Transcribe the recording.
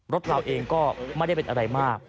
เราเองก็ไม่ได้เป็นอะไรมาก